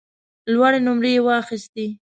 لوړې نمرې یې واخیستې.